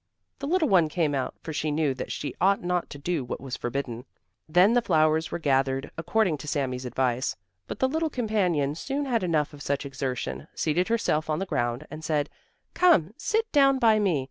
The little one came out, for she knew that she ought not to do what was forbidden. Then the flowers were gathered according to Sami's advice, but the little companion soon had enough of such exertion, seated herself on the ground and said: "Come, sit down by me.